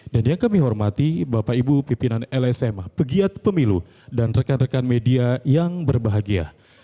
dan yang kami hormati bapak ibu pimpinan lsm pegiat pemilu dan rekan rekan media yang berbahagia